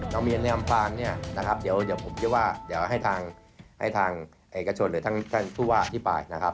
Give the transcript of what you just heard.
น้องมีนในอำภารนี่นะครับเดี๋ยวผมคิดว่าให้ทางไอ้กระชนหรือทางท่านผู้ว่าที่ปลายนะครับ